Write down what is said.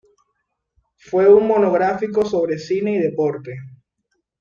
Fue un monográfico sobre cine y deporte.